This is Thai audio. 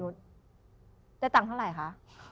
ได้ตังค์เท่าไหร่คะ